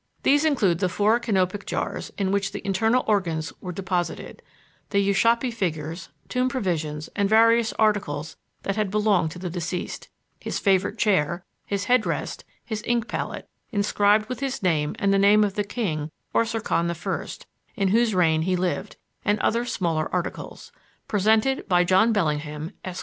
These include the four Canopic jars, in which the internal organs were deposited, the Ushabti figures, tomb provisions and various articles that had belonged to the deceased; his favorite chair, his head rest, his ink palette, inscribed with his name and the name of the king, Osorkon I, in whose reign he lived, and other smaller articles. Presented by John Bellingham, Esq."